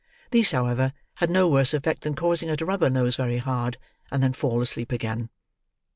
These, however, had no worse effect than causing her to rub her nose very hard, and then fall asleep again.